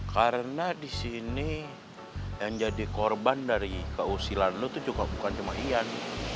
karena di sini yang jadi korban dari keusilan lu tuh juga bukan cuma ian